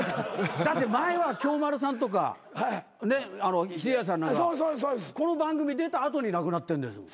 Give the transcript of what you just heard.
だって前は京丸さんとかひでやさんなんかこの番組出た後に亡くなってんです。